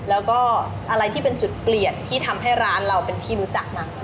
แล้วก็อะไรที่เป็นจุดเปลี่ยนที่ทำให้ร้านเราเป็นที่รู้จักกัน